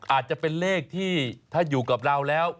อาจจะเป็นเลขที่ถ้าอยู่กับเราแล้ว